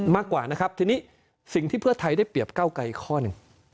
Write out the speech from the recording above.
มากกว่านะครับทีนี้สิ่งที่เพื่อไทยได้เปรียบเก้าไกลข้อหนึ่ง